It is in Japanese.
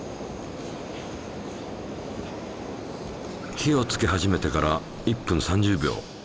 火をつけ始めてから１分３０秒。